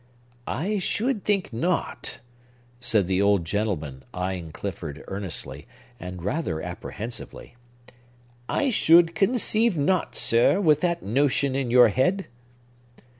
"I should think not," said the old gentleman, eyeing Clifford earnestly, and rather apprehensively. "I should conceive not, sir, with that notion in your head!"